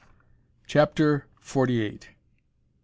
CHAPTER FORTY EIGHT.